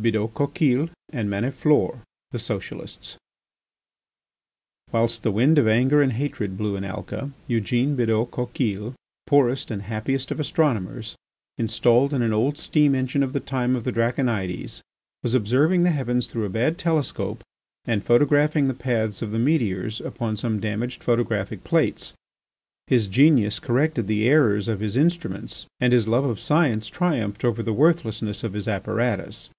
BIDAULT COQUILLE AND MANIFLORE, THE SOCIALISTS Whilst the wind of anger and hatred blew in Alca, Eugine Bidault Coquille, poorest and happiest of astronomers, installed in an old steam engine of the time of the Draconides, was observing the heavens through a bad telescope, and photographing the paths of the meteors upon some damaged photographic plates. His genius corrected the errors of his instruments and his love of science triumphed over the worthlessness of his apparatus.